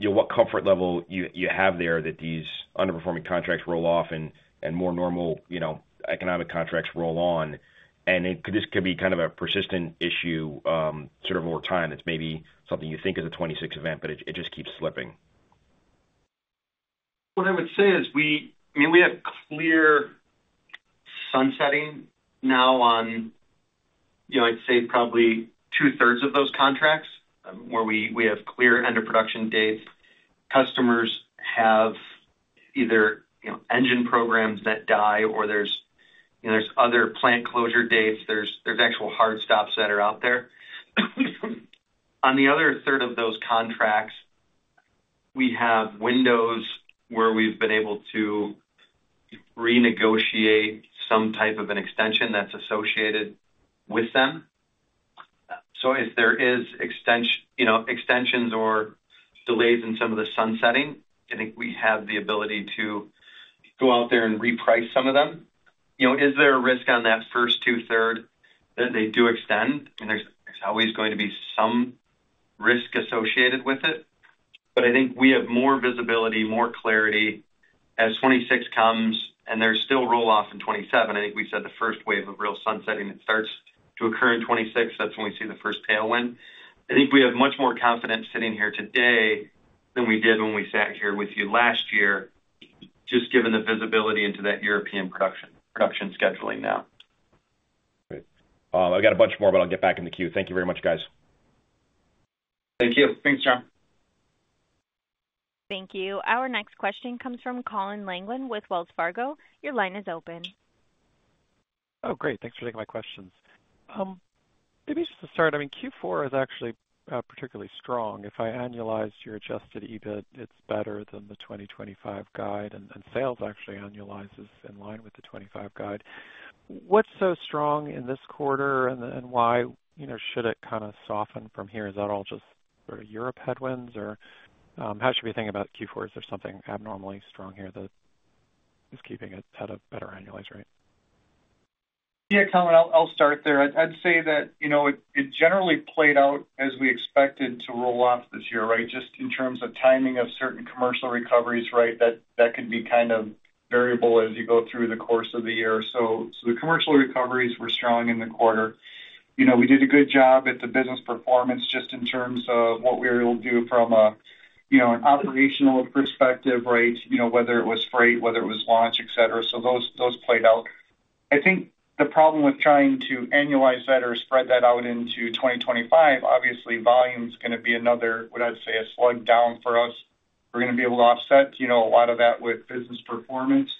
what comfort level you have there that these underperforming contracts roll off and more normal economic contracts roll on? And this could be kind of a persistent issue sort of over time. It's maybe something you think is a 2026 event, but it just keeps slipping. What I would say is, I mean, we have clear sunsetting now on, I'd say, probably 2/3 of those contracts where we have clear end-of-production dates. Customers have either engine programs that die or there's other plant closure dates. There's actual hard stops that are out there. On the other third of those contracts, we have windows where we've been able to renegotiate some type of an extension that's associated with them. So if there are extensions or delays in some of the sunsetting, I think we have the ability to go out there and reprice some of them. Is there a risk on that first two-thirds that they do extend? I mean, there's always going to be some risk associated with it. But I think we have more visibility, more clarity as 2026 comes, and there's still roll-off in 2027. I think we said the first wave of real sunsetting, it starts to occur in 2026. That's when we see the first tailwind. I think we have much more confidence sitting here today than we did when we sat here with you last year, just given the visibility into that European production scheduling now. Great. I've got a bunch more, but I'll get back in the queue. Thank you very much, guys. Thank you. Thanks, John. Thank you. Our next question comes from Colin Langan with Wells Fargo. Your line is open. Oh, great. Thanks for taking my questions. Maybe just to start, I mean, Q4 is actually particularly strong. If I annualize your adjusted EBIT, it's better than the 2025 guide. And sales actually annualizes in line with the 2025 guide. What's so strong in this quarter and why should it kind of soften from here? Is that all just sort of Europe headwinds? Or how should we think about Q4? Is there something abnormally strong here that is keeping it at a better annualized rate? Yeah, Colin, I'll start there. I'd say that it generally played out as we expected to roll off this year, right, just in terms of timing of certain commercial recoveries, right, that can be kind of variable as you go through the course of the year. So the commercial recoveries were strong in the quarter. We did a good job at the business performance just in terms of what we were able to do from an operational perspective, right, whether it was freight, whether it was launch, etc. So those played out. I think the problem with trying to annualize that or spread that out into 2025, obviously, volume is going to be another, what I'd say, a drag down for us. We're going to be able to offset a lot of that with business performance.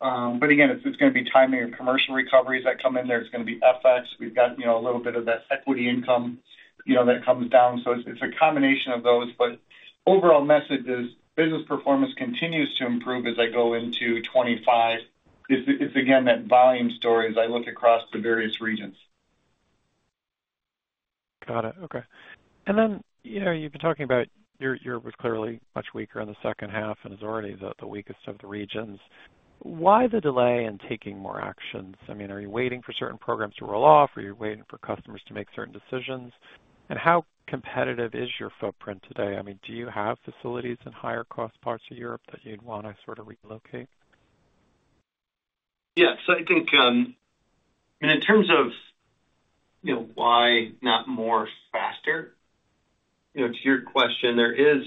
But again, it's going to be timing of commercial recoveries that come in there. It's going to be FX. We've got a little bit of that equity income that comes down. So it's a combination of those. But overall message is business performance continues to improve as I go into 2025. It's again that volume story as I look across the various regions. Got it. Okay. And then you've been talking about Europe was clearly much weaker in the second half and is already the weakest of the regions. Why the delay in taking more actions? I mean, are you waiting for certain programs to roll off? Are you waiting for customers to make certain decisions? And how competitive is your footprint today? I mean, do you have facilities in higher-cost parts of Europe that you'd want to sort of relocate? Yeah. So I think, I mean, in terms of why not more faster, to your question, there is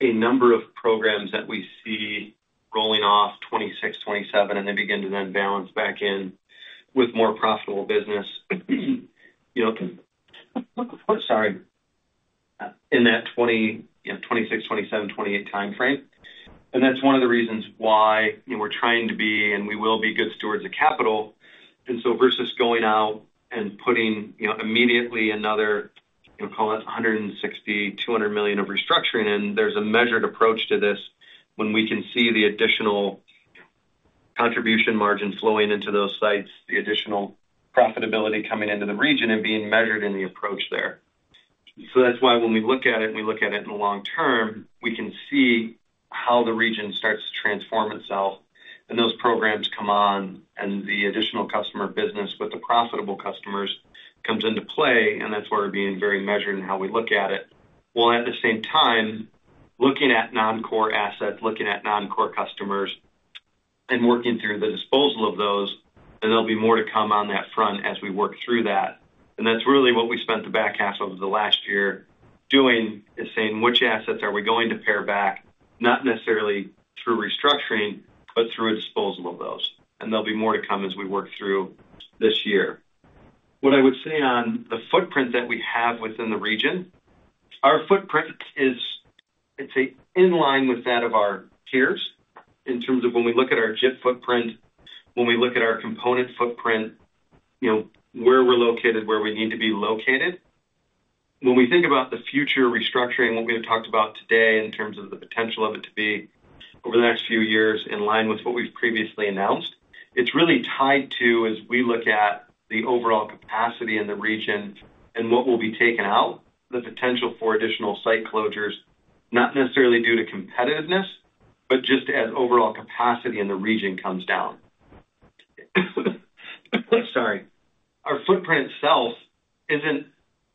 a number of programs that we see rolling off 2026, 2027, and they begin to then balance back in with more profitable business, sorry, in that 2026, 2027, 2028 timeframe. And that's one of the reasons why we're trying to be, and we will be good stewards of capital. And so versus going out and putting immediately another, call it $160-$200 million of restructuring in, there's a measured approach to this when we can see the additional contribution margin flowing into those sites, the additional profitability coming into the region and being measured in the approach there. So that's why when we look at it, and we look at it in the long term, we can see how the region starts to transform itself. And those programs come on, and the additional customer business with the profitable customers comes into play. And that's where we're being very measured in how we look at it. Well, at the same time, looking at non-core assets, looking at non-core customers, and working through the disposal of those, and there'll be more to come on that front as we work through that. That's really what we spent the back half of the last year doing, is saying, "Which assets are we going to pare back, not necessarily through restructuring, but through a disposal of those?" There'll be more to come as we work through this year. What I would say on the footprint that we have within the region, our footprint is, I'd say, in line with that of our peers in terms of when we look at our JIT footprint, when we look at our component footprint, where we're located, where we need to be located. When we think about the future restructuring, what we have talked about today in terms of the potential of it to be over the next few years in line with what we've previously announced, it's really tied to, as we look at the overall capacity in the region and what will be taken out, the potential for additional site closures, not necessarily due to competitiveness, but just as overall capacity in the region comes down. Sorry. Our footprint itself isn't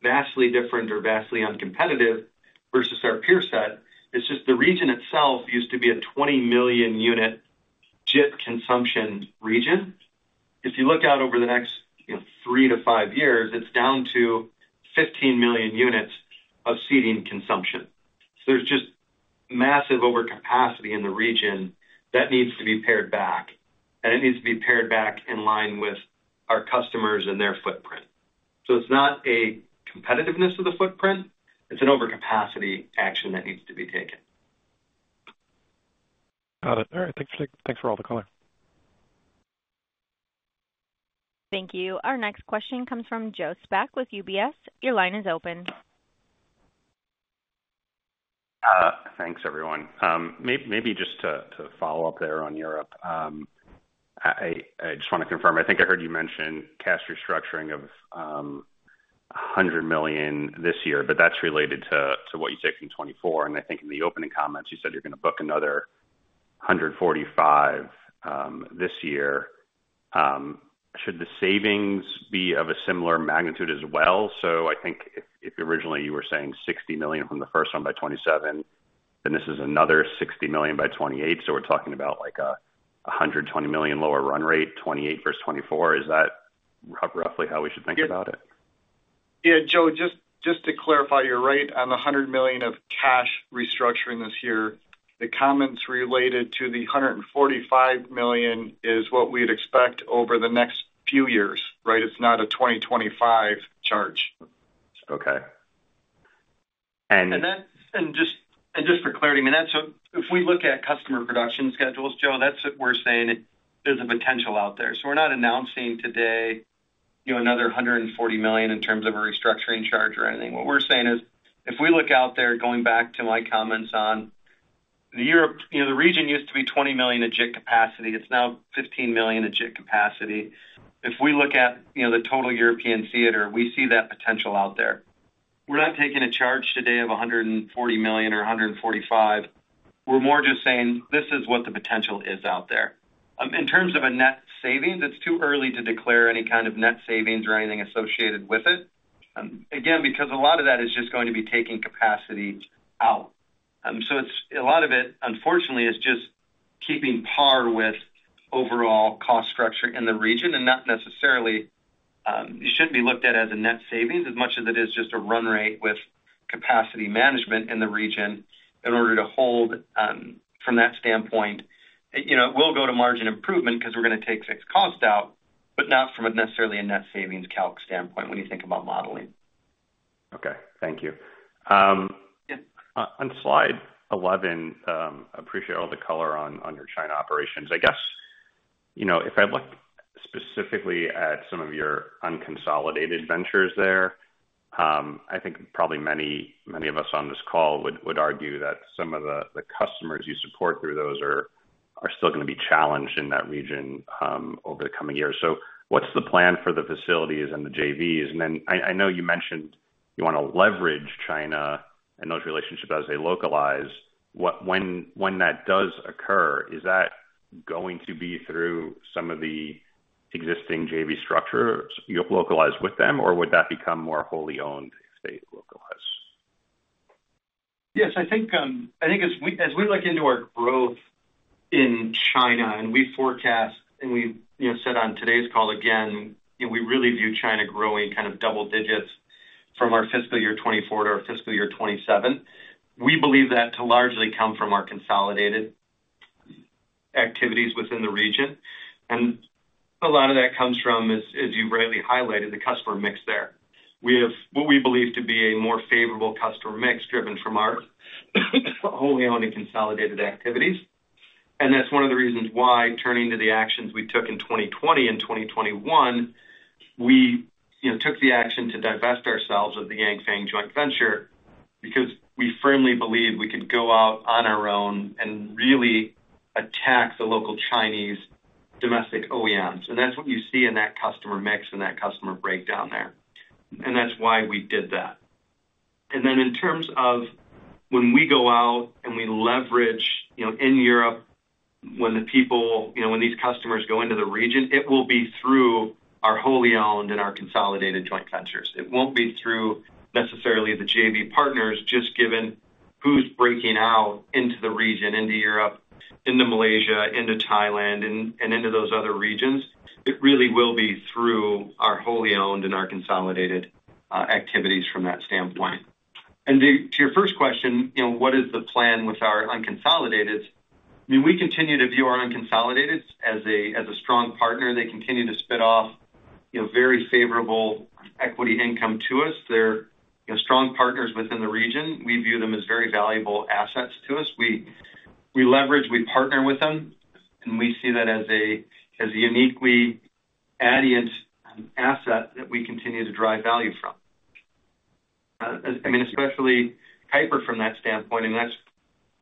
vastly different or vastly uncompetitive versus our peer set. It's just the region itself used to be a 20 million unit JIT consumption region. If you look out over the next three to five years, it's down to 15 million units of seating consumption. So there's just massive overcapacity in the region that needs to be pared back. And it needs to be pared back in line with our customers and their footprint. So it's not a competitiveness of the footprint. It's an overcapacity action that needs to be taken. Got it. All right. Thanks for all the color. Thank you. Our next question comes from Joe Spak with UBS. Your line is open. Thanks, everyone. Maybe just to follow up there on Europe, I just want to confirm. I think I heard you mention cash restructuring of $100 million this year, but that's related to what you said in 2024. And I think in the opening comments, you said you're going to book another $145 million this year. Should the savings be of a similar magnitude as well? So I think if originally you were saying $60 million from the first one by 2027, then this is another $60 million by 2028. So we're talking about like a $120 million lower run rate, 2028 versus 2024. Is that roughly how we should think about it? Yeah. Joe, just to clarify, you're right on the $100 million of cash restructuring this year. The comments related to the $145 million is what we'd expect over the next few years, right? It's not a 2025 charge. Okay. And just for clarity, I mean, that's if we look at customer production schedules, Joe, that's what we're saying there's a potential out there. So we're not announcing today another $140 million in terms of a restructuring charge or anything. What we're saying is, if we look out there, going back to my comments on the region used to be $20 million a JIT capacity. It's now $15 million a JIT capacity. If we look at the total European theater, we see that potential out there. We're not taking a charge today of $140 million or $145 million. We're more just saying, "This is what the potential is out there." In terms of net savings, it's too early to declare any kind of net savings or anything associated with it, again, because a lot of that is just going to be taking capacity out. So a lot of it, unfortunately, is just keeping par with overall cost structure in the region and not necessarily shouldn't be looked at as a net savings as much as it is just a run rate with capacity management in the region in order to hold from that standpoint. It will go to margin improvement because we're going to take fixed cost out, but not from necessarily a net savings calc standpoint when you think about modeling. Okay. Thank you. On slide 11, I appreciate all the color on your China operations. I guess if I look specifically at some of your unconsolidated ventures there, I think probably many of us on this call would argue that some of the customers you support through those are still going to be challenged in that region over the coming years. So what's the plan for the facilities and the JVs? And then I know you mentioned you want to leverage China and those relationships as they localize. When that does occur, is that going to be through some of the existing JV structures localized with them, or would that become more wholly owned if they localize? Yes. I think as we look into our growth in China, and we forecast, and we said on today's call again, we really view China growing kind of double digits from our fiscal year 2024 to our fiscal year 2027. We believe that to largely come from our consolidated activities within the region. And a lot of that comes from, as you've rightly highlighted, the customer mix there. We have what we believe to be a more favorable customer mix driven from our wholly owned and consolidated activities. And that's one of the reasons why turning to the actions we took in 2020 and 2021, we took the action to divest ourselves of the Yanfeng joint venture because we firmly believed we could go out on our own and really attack the local Chinese domestic OEMs. And that's what you see in that customer mix and that customer breakdown there. And that's why we did that. And then in terms of when we go out and we leverage in Europe, when the people, when these customers go into the region, it will be through our wholly owned and our consolidated joint ventures. It won't be through necessarily the JV partners, just given who's breaking out into the region, into Europe, into Malaysia, into Thailand, and into those other regions. It really will be through our wholly owned and our consolidated activities from that standpoint. And to your first question, what is the plan with our unconsolidated? I mean, we continue to view our unconsolidated as a strong partner. They continue to spin off very favorable equity income to us. They're strong partners within the region. We view them as very valuable assets to us. We leverage, we partner with them, and we see that as a uniquely Adient asset that we continue to drive value from. I mean, especially Keiper from that standpoint, and that's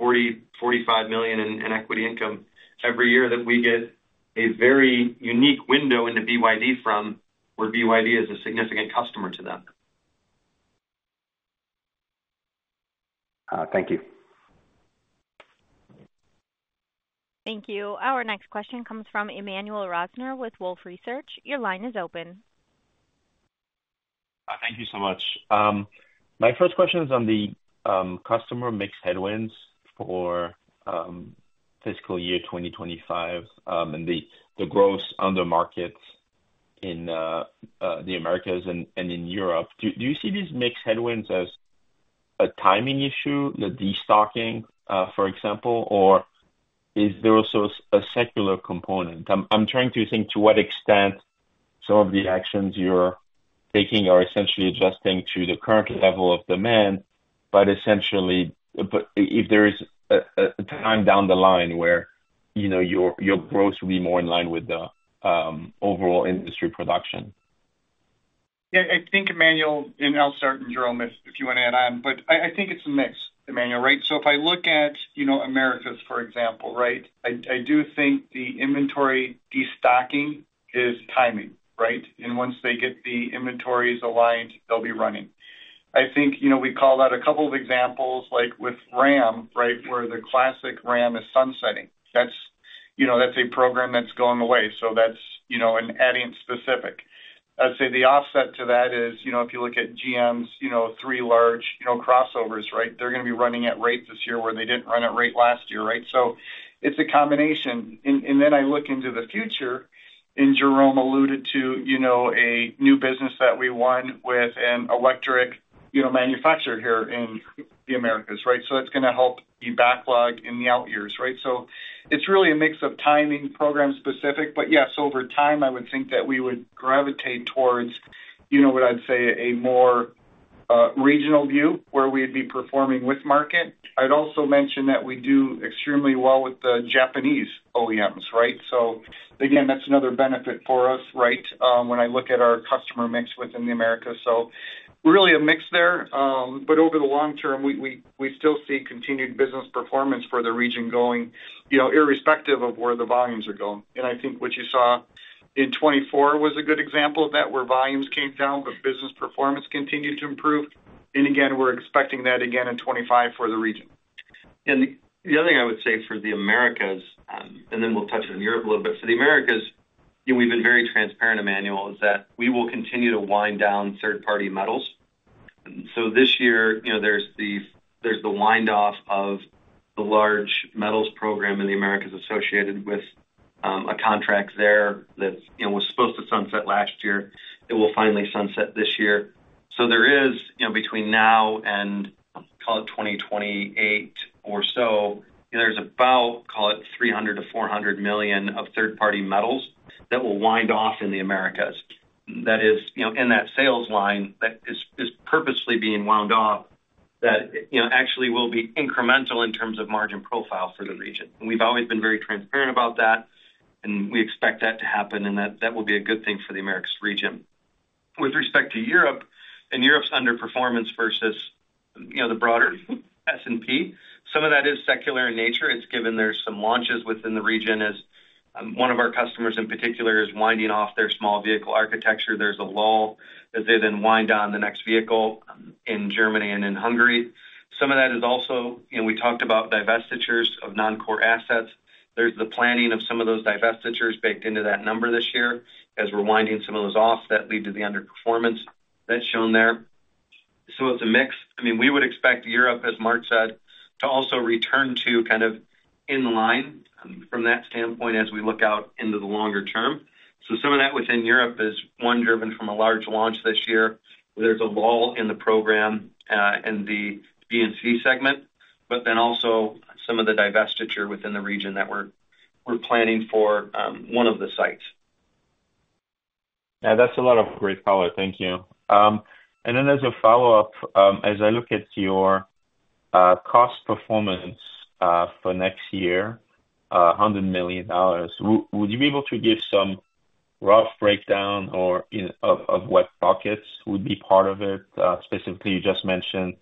$40-$45 million in equity income every year that we get a very unique window into BYD from where BYD is a significant customer to them. Thank you. Thank you. Our next question comes from Emmanuel Rosner with Wolfe Research. Your line is open. Thank you so much. My first question is on the customer mix headwinds for fiscal year 2025 and the growth on the markets in the Americas and in Europe. Do you see these mix headwinds as a timing issue, the destocking, for example, or is there also a secular component? I'm trying to think to what extent some of the actions you're taking are essentially adjusting to the current level of demand, but essentially, if there is a time down the line where your growth will be more in line with the overall industry production. Yeah. I think Emmanuel and I'll start and Jerome, if you want to add on, but I think it's a mix, Emmanuel, right? So if I look at Americas, for example, right, I do think the inventory destocking is timing, right, and once they get the inventories aligned, they'll be running. I think we call out a couple of examples like with Ram, right, where the Classic Ram is sunsetting. That's a program that's going away. So that's an Adient specific. I'd say the offset to that is if you look at GM's three large crossovers, right, they're going to be running at rates this year where they didn't run at rate last year, right? So it's a combination, and then I look into the future, and Jerome alluded to a new business that we won with an electric manufacturer here in the Americas, right? So that's going to help the backlog in the out years, right? So it's really a mix of timing, program specific, but yes, over time, I would think that we would gravitate towards what I'd say a more regional view where we'd be performing with market. I'd also mention that we do extremely well with the Japanese OEMs, right? So again, that's another benefit for us, right, when I look at our customer mix within the Americas. So really a mix there. But over the long term, we still see continued business performance for the region going irrespective of where the volumes are going. And I think what you saw in 2024 was a good example of that, where volumes came down, but business performance continued to improve. And again, we're expecting that again in 2025 for the region. And the other thing I would say for the Americas, and then we'll touch on Europe a little bit. For the Americas, we've been very transparent, Emmanuel, is that we will continue to wind down third-party metals. And so this year, there's the wind-off of the large metals program in the Americas associated with a contract there that was supposed to sunset last year. It will finally sunset this year. So there is between now and, call it, 2028 or so, there's about, call it, $300-$400 million of third-party metals that will wind off in the Americas. That is in that sales line that is purposely being wound off that actually will be incremental in terms of margin profile for the region. And we've always been very transparent about that, and we expect that to happen, and that will be a good thing for the Americas region. With respect to Europe and Europe's underperformance versus the broader S&P, some of that is secular in nature. It's given there's some launches within the region as one of our customers in particular is winding off their small vehicle architecture. There's a lull as they then wind down the next vehicle in Germany and in Hungary. Some of that is also we talked about divestitures of non-core assets. There's the planning of some of those divestitures baked into that number this year as we're winding some of those off that lead to the underperformance that's shown there. So it's a mix. I mean, we would expect Europe, as Mark said, to also return to kind of in line from that standpoint as we look out into the longer term. So some of that within Europe is one driven from a large launch this year where there's a lull in the program and the B and C segment, but then also some of the divestiture within the region that we're planning for one of the sites. Yeah. That's a lot of great color. Thank you. And then as a follow-up, as I look at your cost performance for next year, $100 million, would you be able to give some rough breakdown of what buckets would be part of it? Specifically, you just mentioned,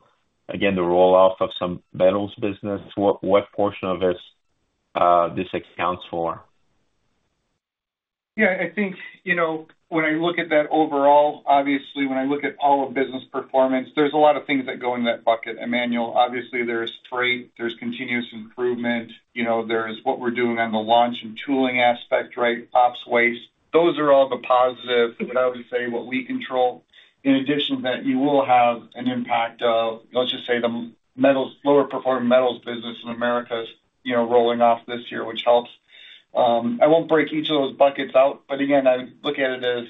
again, the roll-off of some metals business. What portion of this accounts for? Yeah. I think when I look at that overall, obviously, when I look at all of business performance, there's a lot of things that go in that bucket, Emmanuel. Obviously, there's freight, there's continuous improvement, there's what we're doing on the launch and tooling aspect, right? Ops, waste. Those are all the positives, but I would say what we control, in addition to that, you will have an impact of, let's just say, the lower-performing metals business in Americas rolling off this year, which helps. I won't break each of those buckets out, but again, I look at it as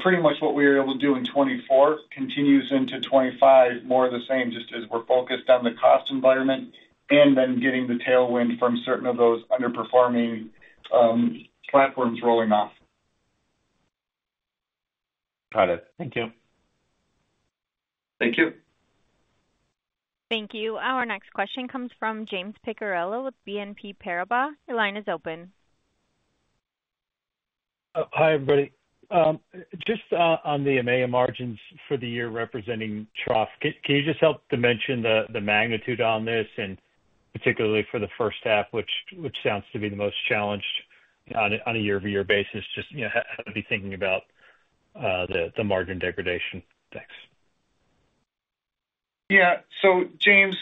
pretty much what we were able to do in 2024 continues into 2025, more of the same, just as we're focused on the cost environment and then getting the tailwind from certain of those underperforming platforms rolling off. Got it. Thank you. Thank you. Thank you. Our next question comes from James Picariello with BNP Paribas. Your line is open. Hi, everybody. Just on the EMEA margins for the year representing trough, can you just help to mention the magnitude on this and particularly for the first half, which sounds to be the most challenged on a year-over-year basis, just how to be thinking about the margin degradation? Thanks. Yeah. So James,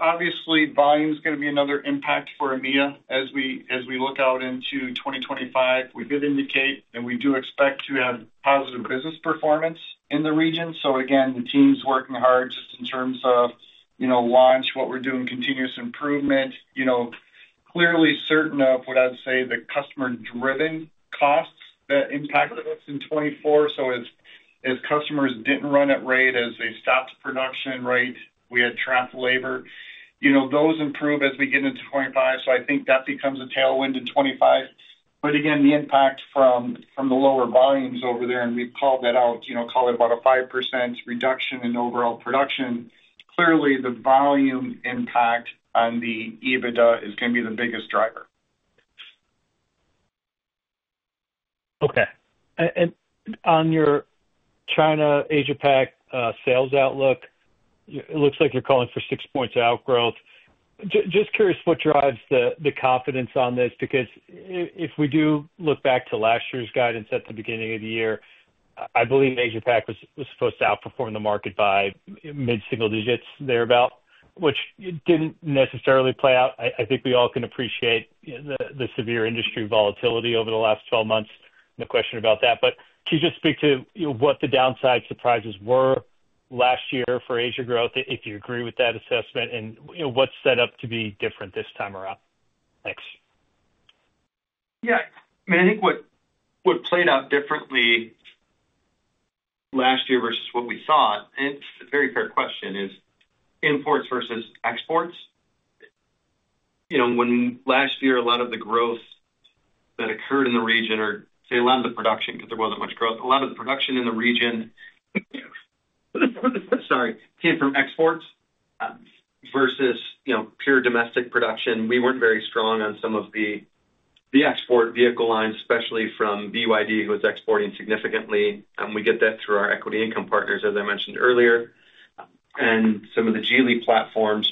obviously, volume is going to be another impact for EMEA as we look out into 2025. We did indicate that we do expect to have positive business performance in the region. So again, the team's working hard just in terms of launch, what we're doing, continuous improvement. Clearly certain of what I'd say the customer-driven costs that impacted us in 2024. So as customers didn't run at rate as they stopped production, right? We had trapped labor. Those improve as we get into 2025. So I think that becomes a tailwind in 2025. But again, the impact from the lower volumes over there, and we've called that out, call it about a 5% reduction in overall production. Clearly, the volume impact on the EBITDA is going to be the biggest driver. Okay. And on your China Asia-Pac sales outlook, it looks like you're calling for six points of outgrowth. Just curious what drives the confidence on this because if we do look back to last year's guidance at the beginning of the year, I believe Asia-Pac was supposed to outperform the market by mid-single digits thereabout, which didn't necessarily play out. I think we all can appreciate the severe industry volatility over the last 12 months and the question about that. But can you just speak to what the downside surprises were last year for Asia growth, if you agree with that assessment, and what's set up to be different this time around? Thanks. Yeah. I mean, I think what played out differently last year versus what we saw, and it's a very fair question, is imports versus exports. When last year, a lot of the growth that occurred in the region, or say a lot of the production because there wasn't much growth, a lot of the production in the region, sorry, came from exports versus pure domestic production. We weren't very strong on some of the export vehicle lines, especially from BYD, who was exporting significantly. We get that through our equity income partners, as I mentioned earlier, and some of the Geely platforms.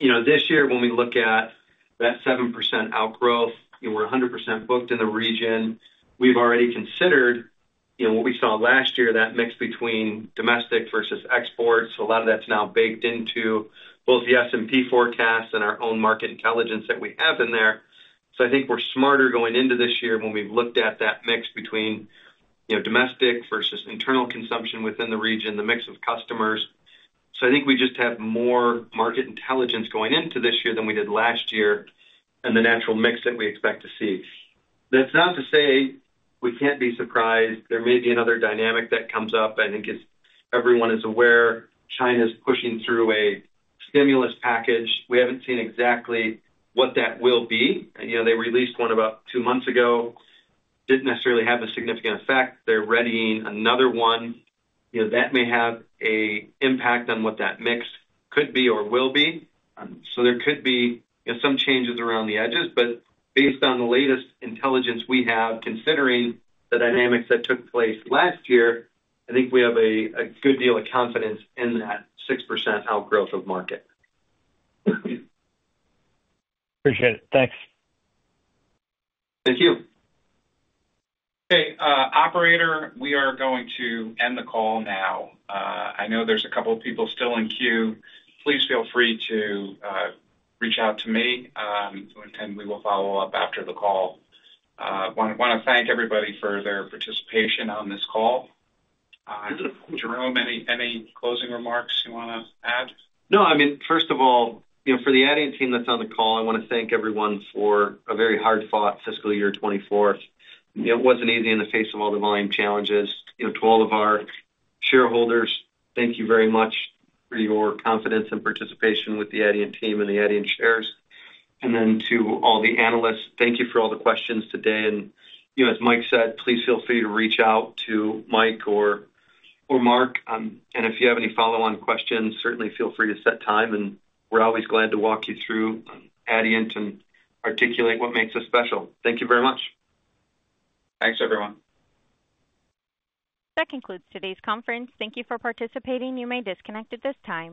This year, when we look at that 7% outgrowth, we're 100% booked in the region. We've already considered what we saw last year, that mix between domestic versus exports. A lot of that's now baked into both the S&P forecast and our own market intelligence that we have in there. So I think we're smarter going into this year when we've looked at that mix between domestic versus internal consumption within the region, the mix of customers. So I think we just have more market intelligence going into this year than we did last year and the natural mix that we expect to see. That's not to say we can't be surprised. There may be another dynamic that comes up. I think everyone is aware. China is pushing through a stimulus package. We haven't seen exactly what that will be. They released one about two months ago. Didn't necessarily have a significant effect. They're readying another one that may have an impact on what that mix could be or will be. So there could be some changes around the edges. But based on the latest intelligence we have, considering the dynamics that took place last year, I think we have a good deal of confidence in that 6% outgrowth of market. Appreciate it. Thanks. Thank you. Okay. Operator, we are going to end the call now. I know there's a couple of people still in queue. Please feel free to reach out to me, and we will follow up after the call. I want to thank everybody for their participation on this call. Jerome, any closing remarks you want to add? No. I mean, first of all, for the Adient team that's on the call, I want to thank everyone for a very hard-fought fiscal year 2024. It wasn't easy in the face of all the volume challenges. To all of our shareholders, thank you very much for your confidence and participation with the Adient team and the Adient shares. And then to all the analysts, thank you for all the questions today. And as Mike said, please feel free to reach out to Mike or Mark. And if you have any follow-on questions, certainly feel free to set time. And we're always glad to walk you through Adient and articulate what makes us special. Thank you very much. Thanks, everyone. That concludes today's conference. Thank you for participating. You may disconnect at this time.